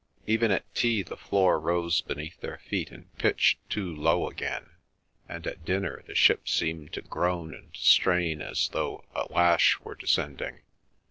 Even at tea the floor rose beneath their feet and pitched too low again, and at dinner the ship seemed to groan and strain as though a lash were descending.